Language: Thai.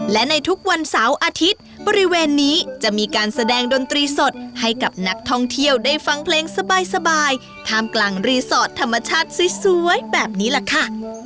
และในทุกวันเสาร์อาทิตย์บริเวณนี้จะมีการแสดงดนตรีสดให้กับนักท่องเที่ยวได้ฟังเพลงสบายท่ามกลางรีสอร์ทธรรมชาติสวยแบบนี้แหละค่ะ